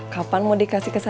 kapan mau dikasih ke saya